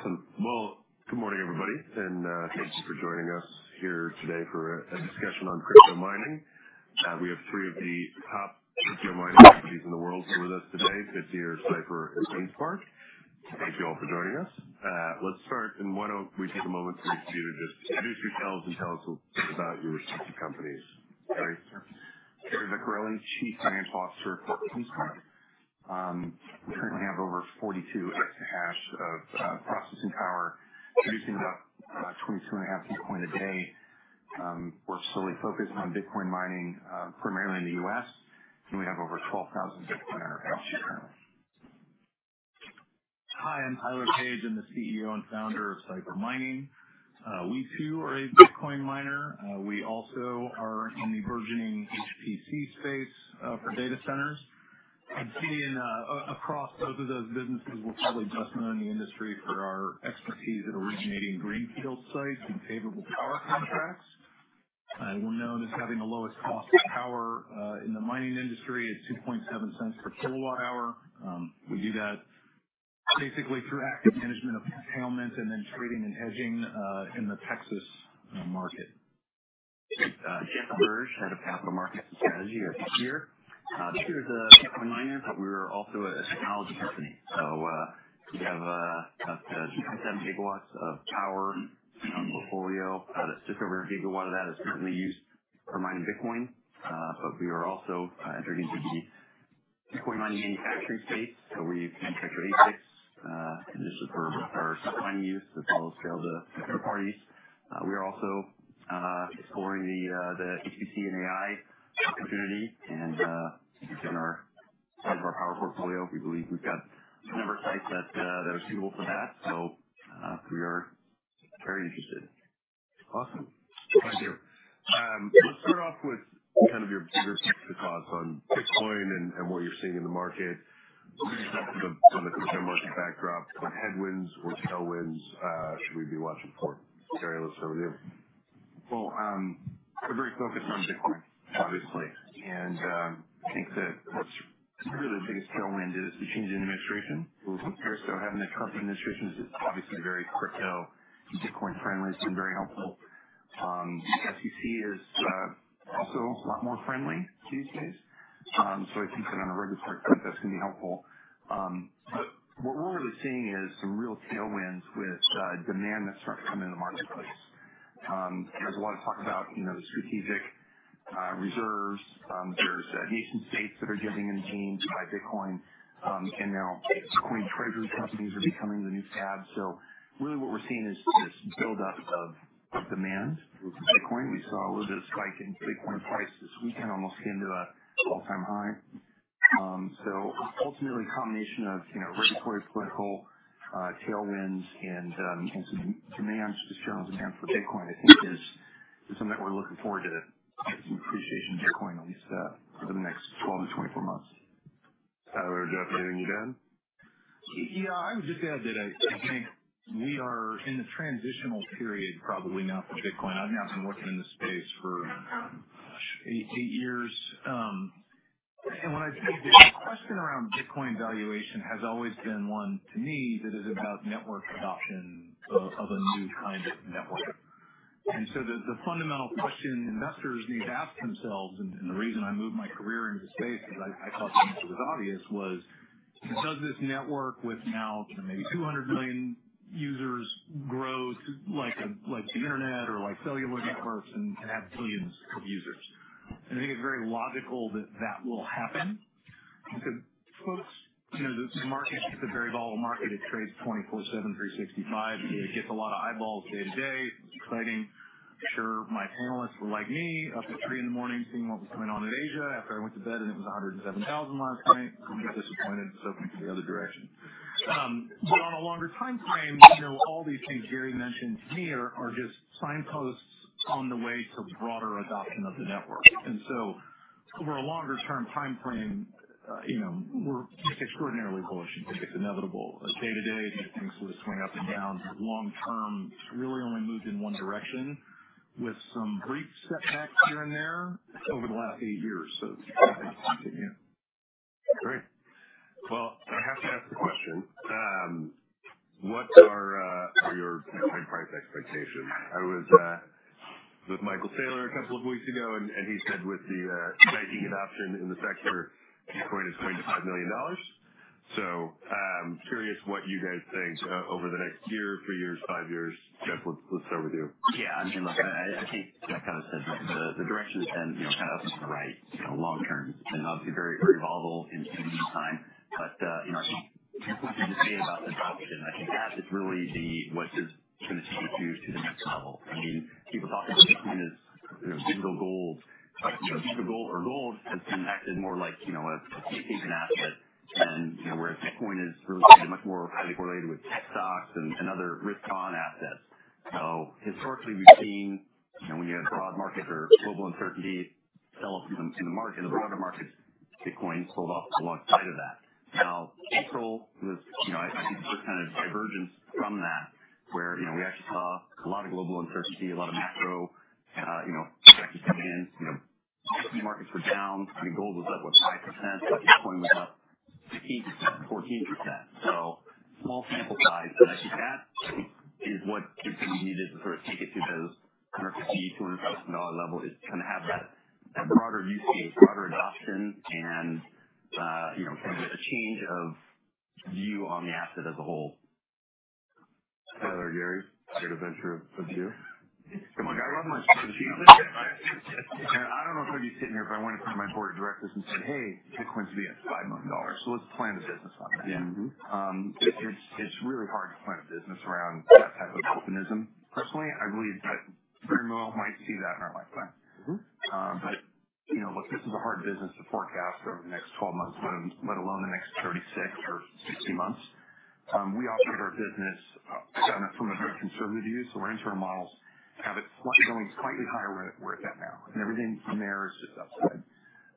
Awesome. Good morning, everybody, and thank you for joining us here today for a discussion on crypto mining. We have three of the top crypto mining companies in the world here with us today. Good to hear Cipher and CleanSpark. Thank you all for joining us. Let's start, and why don't we take a moment for each of you to just introduce yourselves and tell us a little bit about your respective companies. Sure. Edward Farrell, Chief Financial Officer for Cipher. We currently have over 42 exahash of processing power, producing about 22.5 Bitcoin a day. We're solely focused on Bitcoin mining, primarily in the U.S., and we have over 12,600 Hi, I'm Tyler Page. I'm the CEO and founder of Cipher Mining. We, too, are a Bitcoin miner. We also are in the burgeoning HPC space for data centers. Across both of those businesses, we're probably best known in the industry for our expertise at originating greenfield sites and favorable power contracts. We're known as having the lowest cost of power in the mining industry at $0.027 per kilowatt-hour. We do that basically through active management of containment and then trading and hedging in the Texas market. I'm Jeff LaBerge, Head of Capital Markets and Strategy here at Bitdeer. Bitdeer is a Bitcoin miner, but we're also a technology company. We have about 2.7 GW of power in our portfolio. Just over 1 GW of that is currently used for mining Bitcoin, but we are also entering into the Bitcoin mining manufacturing space. We manufacture ASICs just for our supplying use as well as sales to third parties. We are also exploring the HPC and AI opportunity, and given our size of our power portfolio, we believe we've got a number of sites that are suitable for that. We are very interested. Awesome. Thank you. Let's start off with kind of your thoughts on Bitcoin and what you're seeing in the market. From the crypto market backdrop, what headwinds or tailwinds should we be watching for? Tyler, let's start with you. We're very focused on Bitcoin, obviously, and I think that really the biggest tailwind is the change in administration. Having a Trump administration is obviously very crypto and Bitcoin-friendly. It's been very helpful. SEC is also a lot more friendly these days. I think that on a regulatory front, that's going to be helpful. What we're really seeing is some real tailwinds with demand that's starting to come into the marketplace. There's a lot of talk about the strategic reserves. There are nation-states that are getting in the game to buy Bitcoin, and now corporate treasury companies are becoming the new fab. What we're seeing is this build-up of demand for Bitcoin. We saw a little bit of a spike in Bitcoin price this weekend, almost into an all-time high. Ultimately, a combination of regulatory, political, tailwinds, and some general demand for Bitcoin, I think, is something that we're looking forward to some appreciation in Bitcoin over the next 12-24 months. Tyler, do you have anything to add? Yeah, I would just add that I think we are in the transitional period probably now for Bitcoin. I've now been working in this space for eight years. When I speak to the question around Bitcoin valuation, it has always been one, to me, that is about network adoption of a new kind of network. The fundamental question investors need to ask themselves, and the reason I moved my career into the space, as I thought the answer was obvious, was, does this network with now maybe 200 million users grow like the internet or like cellular networks and have billions of users? I think it's very logical that that will happen. Folks, the market is a very volatile market. It trades 24/7, 365. It gets a lot of eyeballs day to day. It's exciting. I'm sure my panelists were like me, up at 3:00 A.M. seeing what was going on in Asia after I went to bed and it was $107,000 last night. I'm a bit disappointed, so I'm going to go the other direction. On a longer time frame, all these things Gary mentioned to me are just signposts on the way to broader adoption of the network. Over a longer term time frame, we're just extraordinarily bullish. I think it's inevitable. Day to day, these things sort of swing up and down. Long term, it's really only moved in one direction with some brief setbacks here and there over the last eight years. I think it's continuing. Great. I have to ask a question. What are your enterprise expectations? I was with Michael Saylor a couple of weeks ago, and he said with the banking adoption in the sector, Bitcoin is going to $5 million. Curious what you guys think over the next year, three years, five years. Jeff LaBerge, let's start with you. Yeah, I mean, look, I think I kind of said the direction has been kind of up and to the right long term. It's been obviously very volatile in recent times, but I think what you just made about adoption, I think that is really what is going to take us to the next level. I mean, people talk about Bitcoin as digital gold, but digital gold or gold has been acted more like a safe haven asset than whereas Bitcoin is really seen as much more highly correlated with tech stocks and other risk-on assets. Historically, we've seen when you have broad markets or global uncertainty, sell-offs in the market, in the broader markets, Bitcoin sold off alongside of that. Now, April was, I think, the first kind of divergence from that where we actually saw a lot of global uncertainty, a lot of macro factors coming in. Key markets were down. I mean, gold was up 5%, but Bitcoin was up 15%, 14%. Small sample size, but I think that is what Bitcoin needed to sort of take it to those $150,000-$200,000 level is to kind of have that broader use case, broader adoption, and kind of a change of view on the asset as a whole. Tyler, big adventure of you. Come on, guys. I love my strategically. I do not know if I would be sitting here if I went in front of my board of directors and said, "Hey, Bitcoin's going to be at $5 million. So let's plan a business on that." It is really hard to plan a business around that type of optimism. Personally, I believe that very little might see that in our lifetime. Look, this is a hard business to forecast over the next 12 months, let alone the next 36 or 60 months. We operate our business from a very conservative view. Our internal models have it going slightly higher where it is at now. Everything from there is just upside.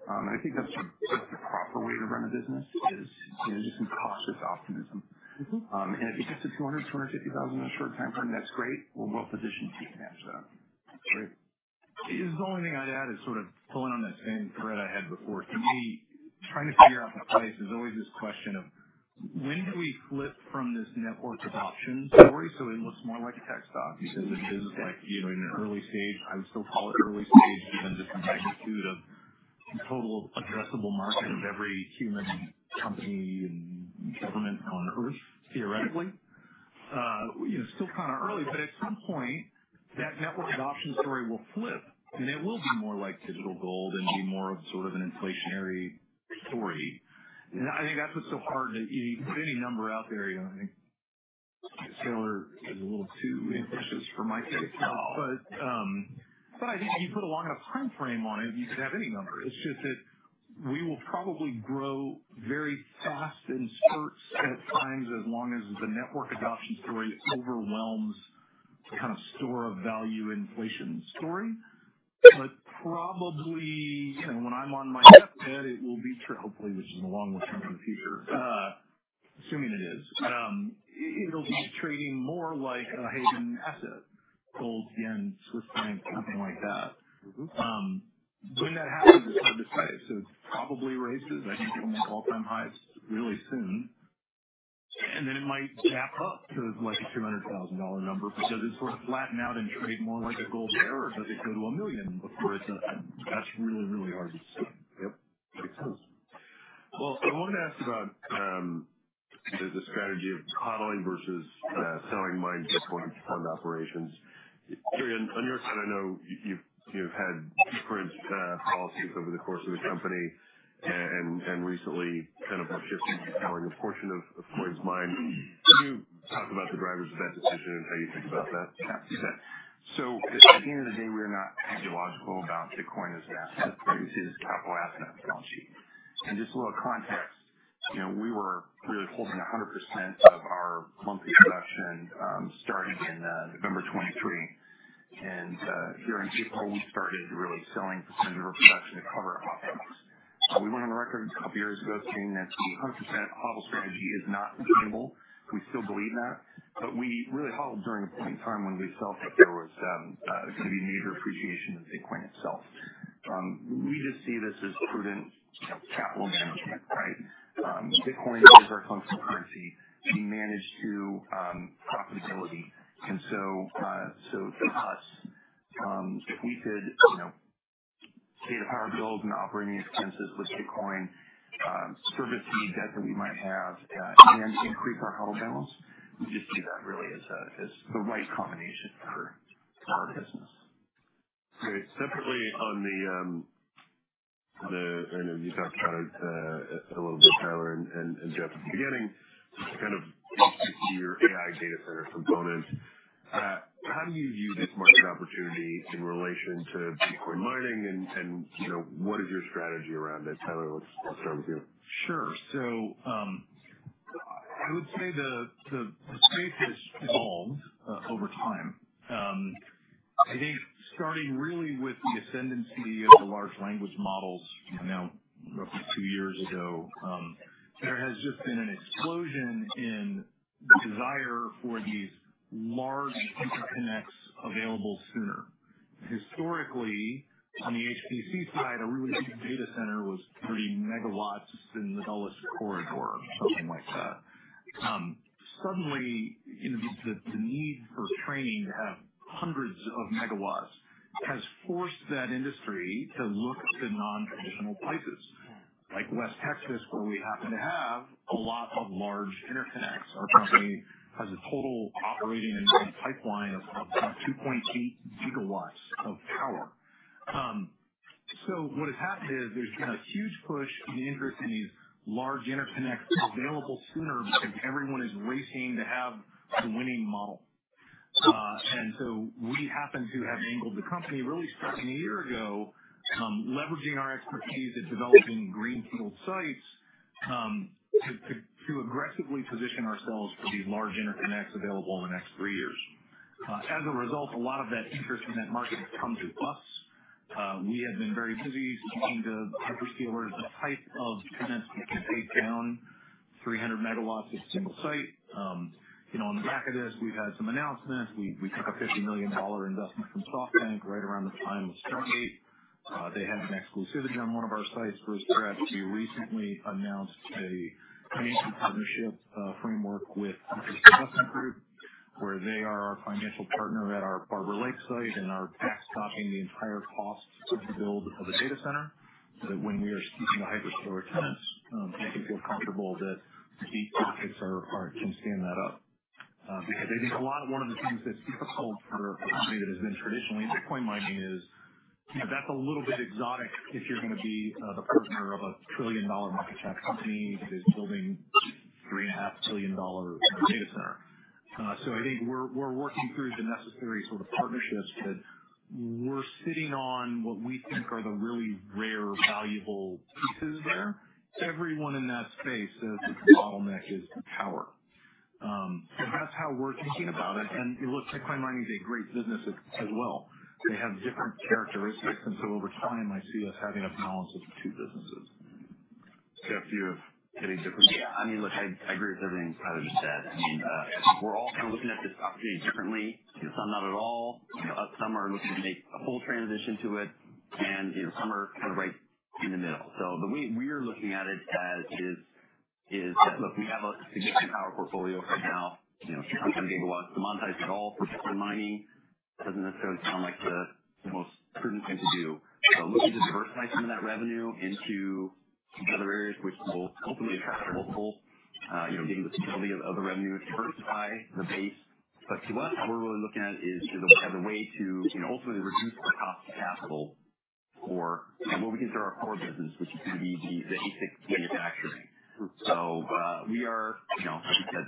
I think that is the proper way to run a business, just some cautious optimism. If it gets to $200,000-$250,000 in a short time frame, that is great. We are well-positioned to manage that. Great. The only thing I'd add is sort of pulling on that same thread I had before. To me, trying to figure out the price is always this question of when do we flip from this network adoption story so it looks more like a tech stock because it is like in an early stage. I would still call it early stage given just the magnitude of the total addressable market of every human company and government on earth, theoretically. Still kind of early, but at some point, that network adoption story will flip, and it will be more like digital gold and be more of sort of an inflationary story. I think that's what's so hard to put any number out there. I think Saylor is a little too impetuous for my taste. I think if you put a long enough time frame on it, you could have any number. It's just that we will probably grow very fast in spurts at times as long as the network adoption story overwhelms the kind of store of value inflation story. Probably when I'm on my deathbed, it will be hopefully, which is a long way from the future, assuming it is. It'll be trading more like a haven asset, gold, yen, Swiss franc, something like that. When that happens, it's hard to say. It probably raises. I think it'll make all-time highs really soon. Then it might zap up to like a $200,000 number because it's sort of flattened out and trade more like a gold bear or does it go to a million before it does? That's really, really hard to say. Yep. Makes sense. I wanted to ask about the strategy of coddling versus selling mine to coin fund operations. Tyler, on your side, I know you've had different policies over the course of the company and recently kind of shifted to selling a portion of coins mined. Can you talk about the drivers of that decision and how you think about that? Yeah. At the end of the day, we are not ideological about Bitcoin as an asset. We see it as a capital asset on the blockchain. Just a little context, we were really holding 100% of our monthly production starting in November 2023. Here in April, we started really selling a percentage of our production to cover opt-outs. We went on the record a couple of years ago saying that the 100% HOLD strategy is not attainable. We still believe that. We really HOLD during a point in time when we felt that there was going to be major appreciation in Bitcoin itself. We just see this as prudent capital management, right? Bitcoin is our functional currency. We manage to profitability. To us, if we could pay the power bills and operating expenses with Bitcoin, service the debt that we might have, and increase our HOLD balance, we just see that really as the right combination for our business. Great. Separately, I know you talked about it a little bit, Tyler and Jeff LaBerge at the beginning, kind of your AI data center component. How do you view this market opportunity in relation to Bitcoin mining? What is your strategy around it? Tyler, let's start with you. Sure. I would say the space has evolved over time. I think starting really with the ascendancy of the large language models now roughly two years ago, there has just been an explosion in desire for these large interconnects available sooner. Historically, on the HPC side, a really big data center was 30 megawatts in the Dulles Corridor, something like that. Suddenly, the need for training to have hundreds of megawatts has forced that industry to look to non-traditional places like West Texas, where we happen to have a lot of large interconnects. Our company has a total operating and pipeline of 2.8 GW of power. What has happened is there's been a huge push and interest in these large interconnects available sooner because everyone is racing to have the winning model. We happen to have angled the company really starting a year ago, leveraging our expertise at developing greenfield sites to aggressively position ourselves for these large interconnects available in the next three years. As a result, a lot of that interest in that market has come to us. We have been very busy speaking to hyperscalers, the type of tenants that can take down 300 MW at a single site. On the back of this, we have had some announcements. We took a $50 million investment from SoftBank right around the time of Stargate. They had an exclusivity on one of our sites, We recently announced a financial partnership framework with Investment Group, where they are our financial partner at our Barber Lake site and are backstopping the entire cost of the build of a data center so that when we are speaking to hyperscaler tenants, they can feel comfortable that the big pockets can stand that up. I think one of the things that's difficult for a company that has been traditionally in Bitcoin mining is that's a little bit exotic if you're going to be the partner of a trillion-dollar market cap company that is building a $3.5 trillion data center. I think we're working through the necessary sort of partnerships that we're sitting on what we think are the really rare valuable pieces there. Everyone in that space, the bottleneck is power. That's how we're thinking about it. Look, Bitcoin mining is a great business as well. They have different characteristics. Over time, I see us having a balance of two businesses. Jeff LaBerge, do you have any different? Yeah. I mean, look, I agree with everything Tyler just said. I mean, we're all kind of looking at this opportunity differently. Some not at all. Some are looking to make a full transition to it, and some are kind of right in the middle. The way we are looking at it is that, look, we have a significant power portfolio right now, 600 MW. Demonetize it all for Bitcoin mining doesn't necessarily sound like the most prudent thing to do. Looking to diversify some of that revenue into other areas, which will ultimately attract multiple, given the stability of the revenue, diversify the base. To us, what we're really looking at is we have a way to ultimately reduce the cost of capital for what we consider our core business, which is going to be the ASIC manufacturing. We are, like you said,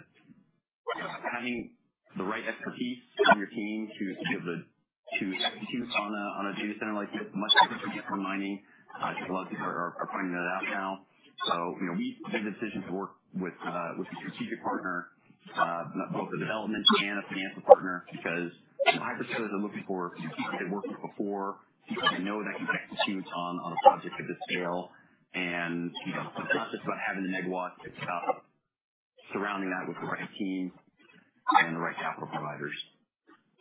having the right expertise on your team to be able to execute on a data center like this, much different from Bitcoin mining. I think a lot of people are finding that out now. We made the decision to work with a strategic partner, both a development and a financial partner, because hyperscalers are looking for people they've worked with before, people they know that can execute on a project of this scale. It's not just about having the megawatts. It's about surrounding that with the right team and the right capital providers.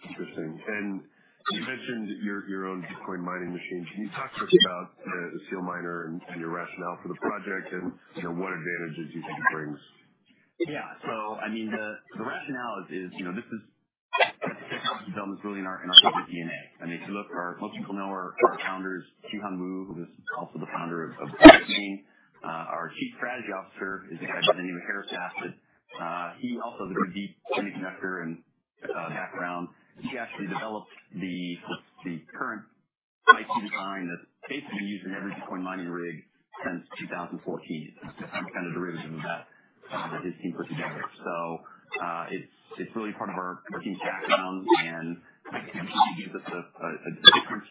Interesting. You mentioned your own Bitcoin mining machine. Can you talk to us about the SEALMINER and your rationale for the project and what advantages you think it brings? Yeah. I mean, the rationale is this is technology development is really in our DNA. I mean, if you look, most people know our founders, Jihan Wu, who is also the founder of the team. Our Chief Strategy Officer is a guy by the name of Haris Basit. He also has a pretty deep semiconductor background. He actually developed the current IC design that's basically used in every Bitcoin mining rig since 2014. It is kind of derivative of that that his team put together. It is really part of our team's background. I think it gives us a different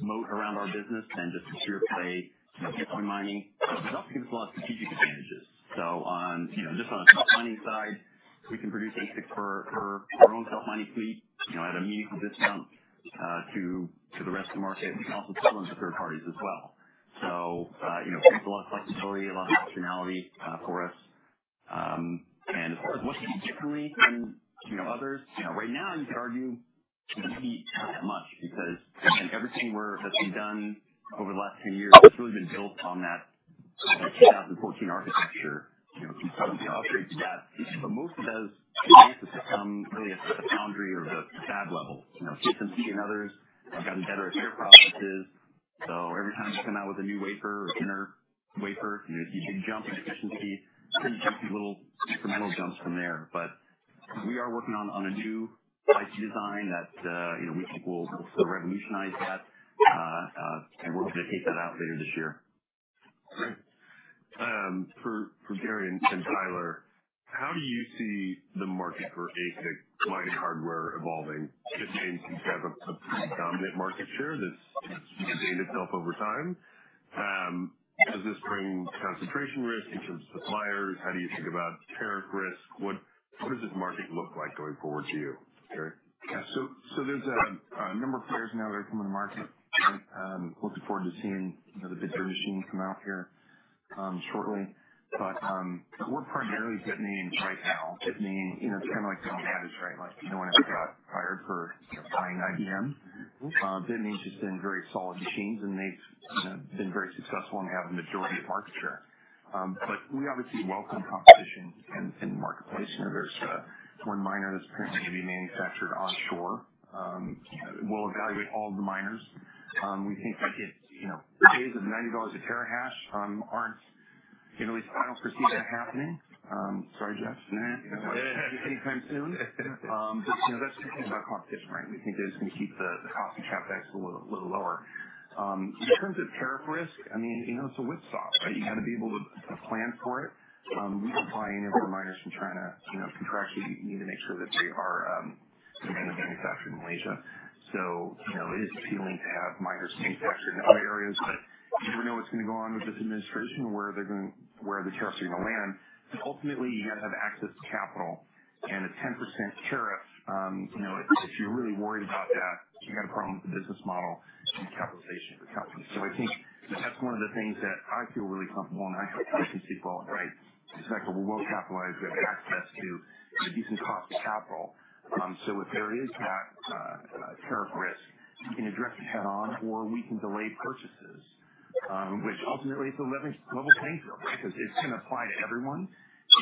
moat around our business than just the pure play Bitcoin mining. It also gives us a lot of strategic advantages. Just on the mining side, we can produce ASICs for our own self-mining fleet at a meaningful discount to the rest of the market. We can also sell them to third parties as well. It is a lot of flexibility, a lot of optionality for us. As far as what is different than others, right now, you could argue maybe not that much because everything that has been done over the last 10 years has really been built on that 2014 architecture. You can certainly operate through that. Most of those advances have come really at the foundry or the fab level. TSMC and others have gotten better at their processes. Every time they come out with a new wafer or thinner wafer, you see a big jump in efficiency, pretty juicy little incremental jumps from there. We are working on a new IC design that we think will sort of revolutionize that. We are hoping to take that out later this year. Great. For Edward Farrell and Tyler, how do you see the market for ASIC mining hardware evolving? It seems you have a pretty dominant market share that's sustained itself over time. Does this bring concentration risk in terms of suppliers? How do you think about tariff risk? What does this market look like going forward to you, Edward Farrell? Yeah. So there's a number of players now that are coming to market. I'm looking forward to seeing the bigger machine come out here shortly. But we're primarily Bitmain right now. Bitmain, it's kind of like, right? Like no one ever got fired for buying IBM. Bitmain's just been very solid machines, and they've been very successful in having the majority of market share. But we obviously welcome competition in the marketplace. There's one miner that's apparently going to be manufactured onshore. We'll evaluate all of the miners. We think that the days of $90 a terahash aren't at least I don't foresee that happening. Sorry, Jeff LaBerge. No, no. Anytime soon. That is just about competition, right? We think that it is going to keep the cost of CapEx a little lower. In terms of tariff risk, I mean, it is a whipsaw, right? You got to be able to plan for it. We comply and implement miners from China contractually. You need to make sure that they are manufactured in Malaysia. It is appealing to have miners manufactured in other areas, but you never know what is going to go on with this administration and where the tariffs are going to land. Ultimately, you got to have access to capital. A 10% tariff, if you are really worried about that, you got a problem with the business model and capitalization of the company. I think that is one of the things that I feel really comfortable and I hope the business people are right. It is like we will capitalize. We have access to a decent cost of capital. If there is that tariff risk, we can address it head-on or we can delay purchases, which ultimately, it is a level playing field, right? Because it is going to apply to everyone.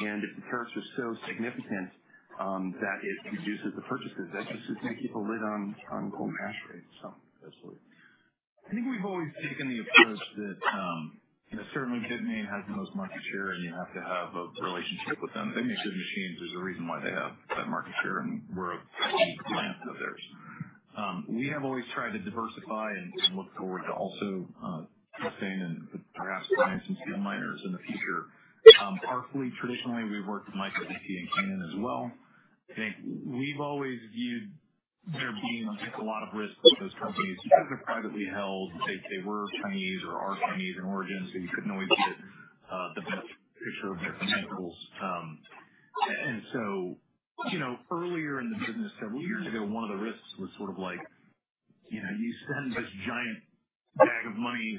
If the tariffs are so significant that it reduces the purchases, that just is going to keep a lid on global hash rate. Absolutely. I think we have always taken the approach that certainly Bitmain has the most market share, and you have to have a relationship with them. They make good machines. There is a reason why they have that market share, and we are a key client of theirs. We have always tried to diversify and look forward to also sustain and perhaps finance and SEALMINER in the future. Our fleet, traditionally, we have worked with MicroBT and Canaan as well. I think we've always viewed there being a lot of risk with those companies because they're privately held. They were Chinese or are Chinese in origin, so you couldn't always get the best picture of their financials. Earlier in the business several years ago, one of the risks was sort of like you send this giant bag of money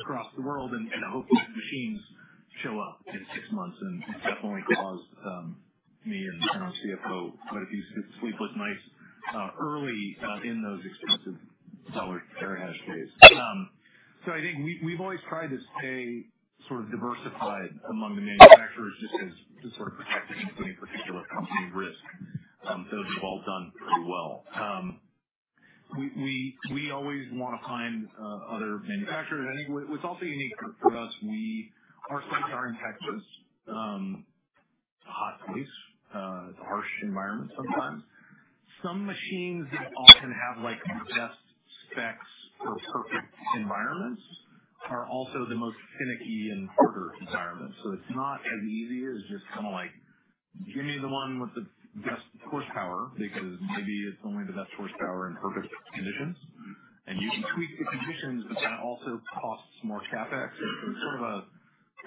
across the world and hope these machines show up in six months. It definitely caused me and our CFO quite a few sleepless nights early in those expensive dollar per terahash days. I think we've always tried to stay sort of diversified among the manufacturers just to sort of protect against any particular company risk. Those have all done pretty well. We always want to find other manufacturers. I think what's also unique for us, our sites are in Texas. It's a hot place. It's a harsh environment sometimes. Some machines that often have the best specs for perfect environments are also the most finicky in harder environments. It's not as easy as just kind of like, "Give me the one with the best horsepower because maybe it's only the best horsepower in perfect conditions." You can tweak the conditions, but that also costs more CapEx. It's sort of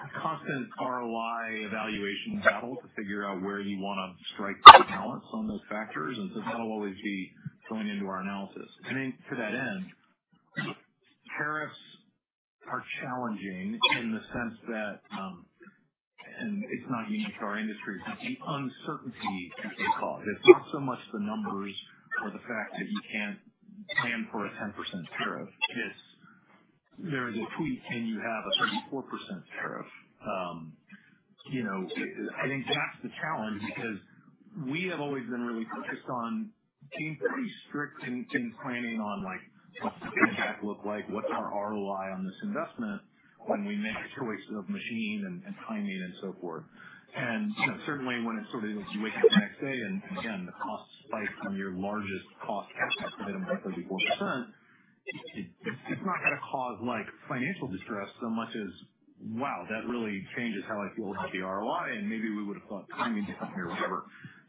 a constant ROI evaluation battle to figure out where you want to strike the balance on those factors. That will always be thrown into our analysis. I think to that end, tariffs are challenging in the sense that, and it's not unique to our industry, it's the uncertainty that they cause. It's not so much the numbers or the fact that you can't plan for a 10% tariff. There is a tweak and you have a 34% tariff. I think that's the challenge because we have always been really focused on being pretty strict in planning on what's the payback look like, what's our ROI on this investment when we make a choice of machine and timing and so forth. Certainly when it's sort of you wake up the next day and again, the cost spikes on your largest cost CapEx of 34%, it's not going to cause financial distress so much as, "Wow, that really changes how I feel about the ROI, and maybe we would have thought timing differently or whatever."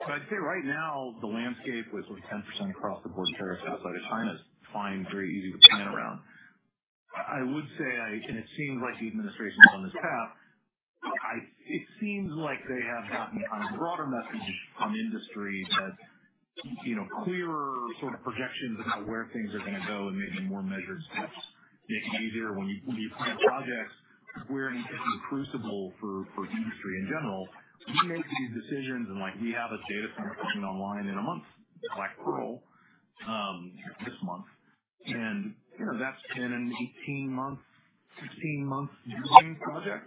I'd say right now, the landscape with 10% across the board tariffs outside of China is fine, very easy to plan around. I would say, and it seems like the administration's on this path, it seems like they have gotten kind of broader message on industry that clearer sort of projections about where things are going to go and maybe more measured steps make it easier when you plan projects. We're an increasing crucible for industry in general. We make these decisions and we have a data center coming online in a month, Black Pearl, this month. That's been an 18-month, 16-month dream project.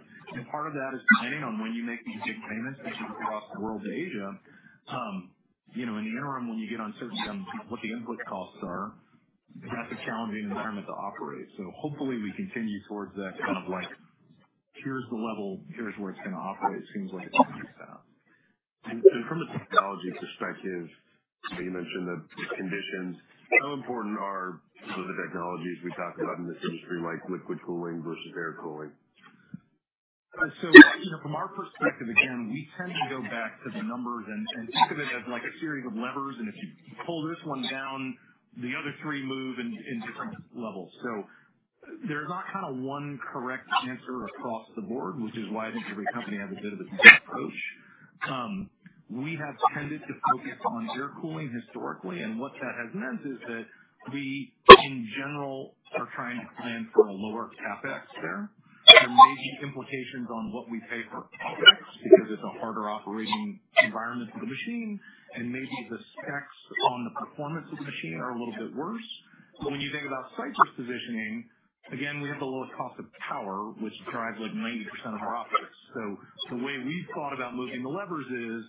Part of that is planning on when you make these big payments that you've across the world to Asia. In the interim, when you get uncertainty on what the input costs are, that's a challenging environment to operate. Hopefully we continue towards that kind of like, "Here's the level. Here's where it's going to operate." It seems like it's going to be set up. From a technology perspective, you mentioned the conditions. How important are some of the technologies we talk about in this industry, like liquid cooling versus air cooling? From our perspective, again, we tend to go back to the numbers and think of it as a series of levers. If you pull this one down, the other three move in different levels. There is not kind of one correct answer across the board, which is why I think every company has a bit of a different approach. We have tended to focus on air cooling historically. What that has meant is that we, in general, are trying to plan for a lower CapEx there. There may be implications on what we pay for OpEx because it is a harder operating environment for the machine, and maybe the specs on the performance of the machine are a little bit worse. When you think about Cipher's positioning, again, we have the lowest cost of power, which drives like 90% of our OpEx. The way we've thought about moving the levers is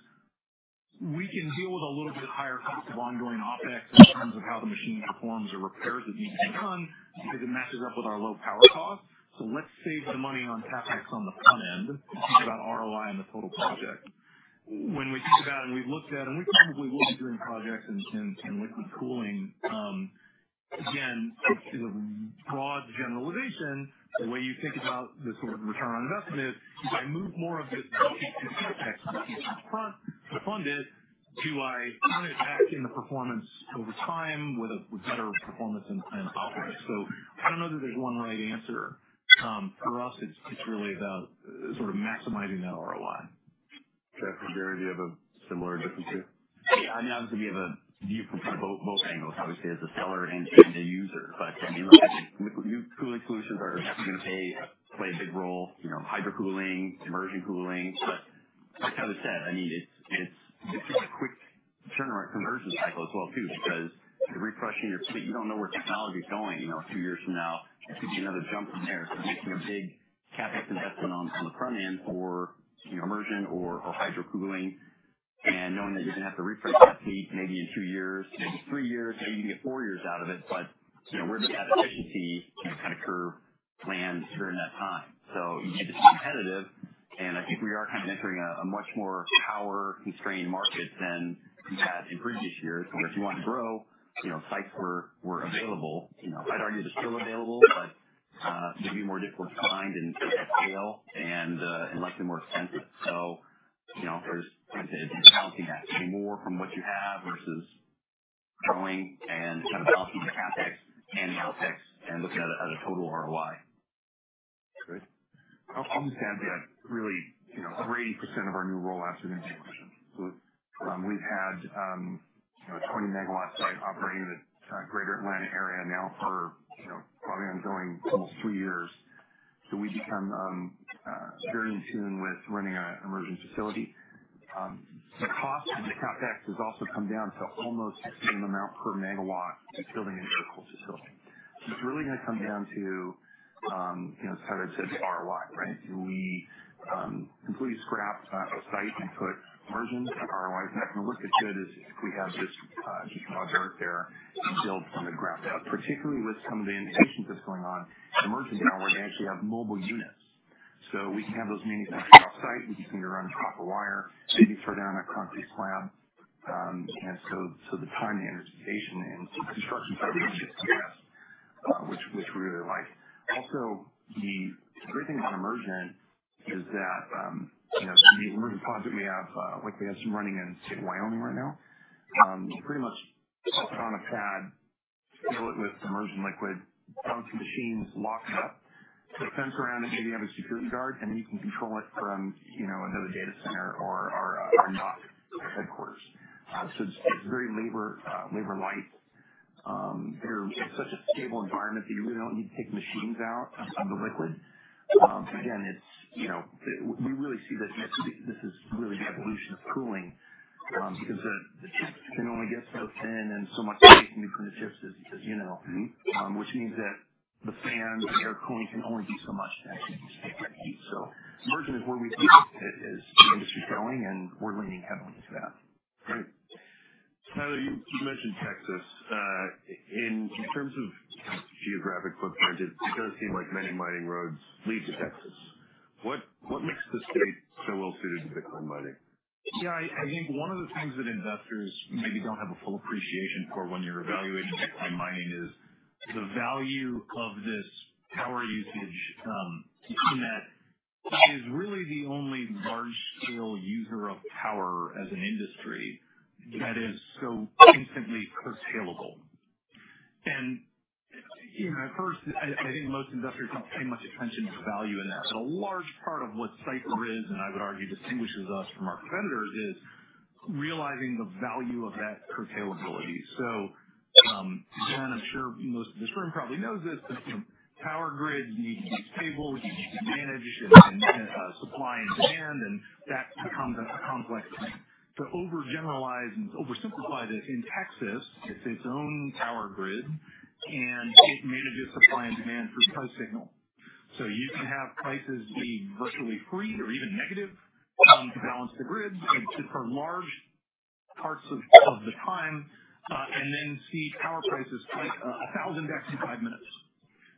we can deal with a little bit higher cost of ongoing OpEx in terms of how the machine performs or repairs that need to be done because it matches up with our low power cost. Let's save the money on CapEx on the front end. We think about ROI on the total project. When we think about it and we've looked at it, and we probably will be doing projects in liquid cooling. Again, this is a broad generalization. The way you think about the sort of return on investment is if I move more of this CapEx piece up front to fund it, do I kind of back in the performance over time with a better performance and operating? I do not know that there's one right answer. For us, it's really about sort of maximizing that ROI. Jeff LaBerge and Tyler, do you have a similar difference here? Yeah. I mean, obviously, we have a view from both angles, obviously, as a seller and a user. But liquid cooling solutions are definitely going to play a big role. Hydro cooling, immersion cooling. Like Tyler said, I mean, it's a quick turnaround conversion cycle as well too because the refreshing your fleet, you don't know where technology is going. Two years from now, it could be another jump from there. Making a big CapEx investment on the front end for immersion or hydro cooling and knowing that you're going to have to refresh that fleet maybe in two years, maybe three years, maybe even get four years out of it. Where does that efficiency kind of curve land during that time? You need to be competitive. I think we are kind of entering a much more power-constrained market than we had in previous years. Where if you want to grow, sites were available. I'd argue they're still available, but they'd be more difficult to find and scale and likely more expensive. There is a balancing act. Do more from what you have versus growing and kind of balancing the CapEx and the OpEx and looking at a total ROI. Great. I'll just add that really 30% of our new rollouts are going to be immersion. We've had a 20-megawatt site operating in the Greater Atlanta area now for probably ongoing almost three years. We've become very in tune with running an immersion facility. The cost of the CapEx has also come down to almost the same amount per megawatt building an air cooling facility. It is really going to come down to, as Tyler said, the ROI, right? Can we completely scrap a site and put immersion? ROI is not going to look as good as if we have just raw dirt there and build from the ground up. Particularly with some of the innovations that are going on, immersion now where they actually have mobile units. We can have those manufactured off-site. We can see you run copper wire. Maybe throw down a concrete slab. The timing and the expectation and construction time is going to get compressed, which we really like. Also, the great thing about immersion is that the immersion project we have, like we have some running in the state of Wyoming right now, pretty much put on a pad, seal it with immersion liquid, mount the machines, lock it up, put a fence around it, maybe have a security guard, and then you can control it from another data center or our NOC headquarters. It is very labor-light. It is such a stable environment that you really do not need to take machines out of the liquid. Again, we really see that this is really the evolution of cooling because the chips can only get so thin and so much space in between the chips, as you know, which means that the fan air cooling can only be so much that can be spent that heat. So immersion is where we think is the industry's going, and we're leaning heavily into that. Great. Tyler, you mentioned Texas. In terms of geographic footprint, it does seem like many mining roads lead to Texas. What makes the state so well-suited to Bitcoin mining? Yeah. I think one of the things that investors maybe do not have a full appreciation for when you are evaluating Bitcoin mining is the value of this power usage in that it is really the only large-scale user of power as an industry that is so instantly curtailable. At first, I think most industries do not pay much attention to the value in that. A large part of what Cipher is, and I would argue distinguishes us from our competitors, is realizing the value of that curtailability. Again, I am sure most of this room probably knows this, but power grids need to be stable. You need to manage supply and demand, and that becomes complex. To overgeneralize and oversimplify this, in Texas, it is its own power grid, and it manages supply and demand through price signals. You can have prices be virtually free or even negative to balance the grid for large parts of the time and then see power prices spike $1,000 in five minutes.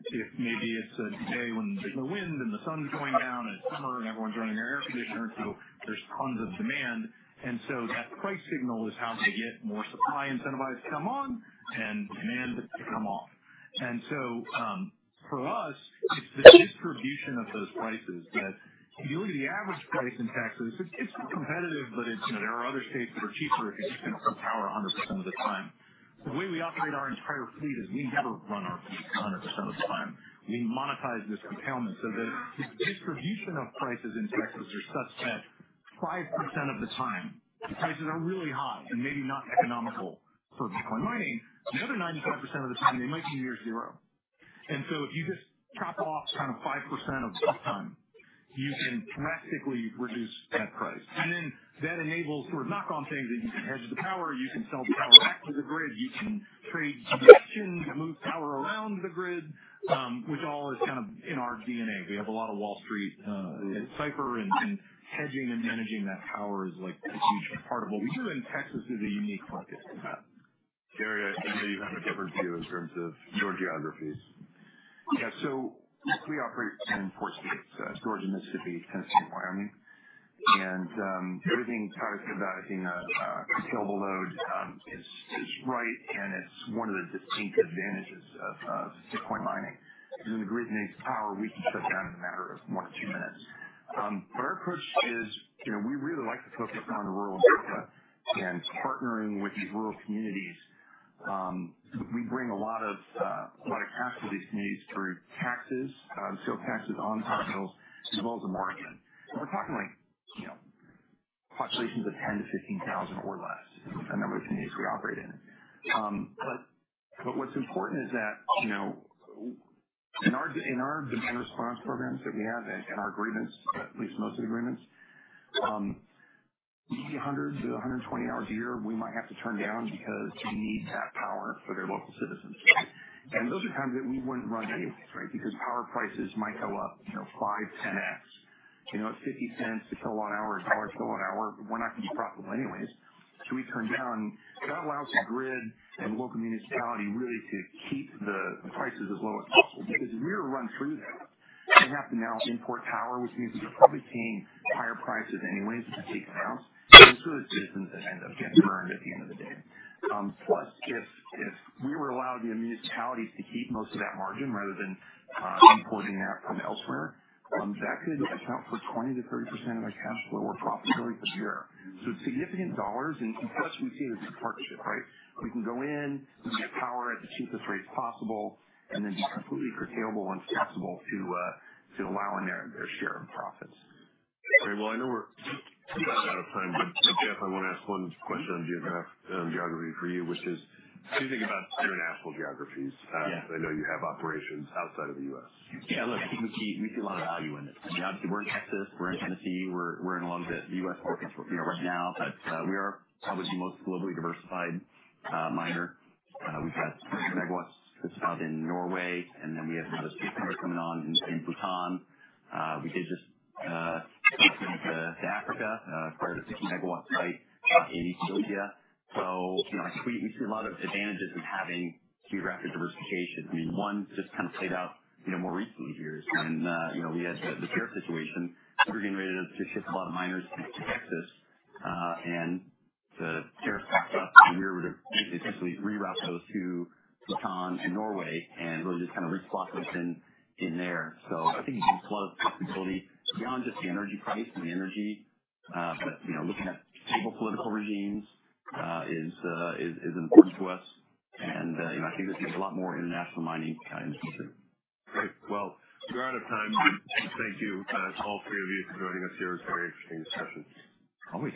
If maybe it's a day when there's no wind and the sun's going down and it's summer and everyone's running their air conditioner, there's tons of demand. That price signal is how to get more supply incentivized to come on and demand to come off. For us, it's the distribution of those prices that, if you look at the average price in Texas, it's still competitive, but there are other states that are cheaper if you're just going to put power 100% of the time. The way we operate our entire fleet is we never run our fleet 100% of the time. We monetize this component so that the distribution of prices in Texas are such that 5% of the time, prices are really high and maybe not economical for Bitcoin mining. The other 95% of the time, they might be near zero. If you just chop off kind of 5% of uptime, you can drastically reduce that price. That enables sort of knock-on things that you can hedge the power. You can sell power back to the grid. You can trade connections to move power around the grid, which all is kind of in our DNA. We have a lot of Wall Street at Cipher, and hedging and managing that power is a huge part of what we do. Texas is a unique market for that. Farrell, I think you have a different view in terms of your geographies. Yeah. We operate in four states: Georgia, Mississippi, Tennessee, and Wyoming. Everything Tyler said about it being a curtailable load is right, and it's one of the distinct advantages of Bitcoin mining. When the grid needs power, we can shut down in a matter of one or two minutes. Our approach is we really like to focus on rural America and partnering with these rural communities. We bring a lot of capital to these communities through taxes, sales taxes on capital, as well as immersion. We're talking populations of 10,000-15,000 or less, the number of communities we operate in. What's important is that in our demand response programs that we have and our agreements, at least most of the agreements, maybe 100-120 hours a year, we might have to turn down because we need that power for their local citizens. Those are times that we would not run anyways, right? Because power prices might go up 5-10X. It is $0.50 a kilowatt hour, $1 a kilowatt hour. We are not going to be profitable anyways. We turn down. That allows the grid and the local municipality really to keep the prices as low as possible because we are run through that. We have to now import power, which means that they are probably paying higher prices anyways if it takes them out. It is really citizens that end up getting burned at the end of the day. Plus, if we were allowed the municipalities to keep most of that margin rather than importing that from elsewhere, that could account for 20%-30% of our cash flow or profitability per year. It is significant dollars, and plus we see this as a partnership, right? We can go in, we can get power at the cheapest rates possible, and then be completely curtailable once possible to allow in their share of profits. Great. I know we're running out of time, but I definitely want to ask one question on geography for you, which is, what do you think about international geographies? I know you have operations outside of the U.S. Yeah. Look, we see a lot of value in it. I mean, obviously, we're in Texas. We're in Tennessee. We're in a lot of the U.S. markets right now, but we are probably the most globally diversified miner. We've got 50 megawatts that's out in Norway, and then we have another 600 coming on in Bhutan. We did just transfer to Africa, acquired a 50-MW site in Ethiopia. So we see a lot of advantages in having geographic diversification. I mean, one just kind of played out more recently here is when we had the tariff situation. We were getting ready to ship a lot of miners to Texas, and the tariffs backed up, and we were going to essentially reroute those to Bhutan and Norway and really just kind of reslotting them in there. I think it gives us a lot of flexibility beyond just the energy price and the energy. Looking at stable political regimes is important to us. I think there's going to be a lot more international mining in the future. Great. We are out of time. Thank you to all three of you for joining us here. It was a very interesting discussion. Always.